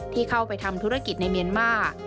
ที่เข้าไปทำธุรกิจในเมียนมาร์